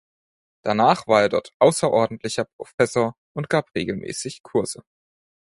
Danach war er dort außerordentlicher Professor und gab regelmäßig Kurse.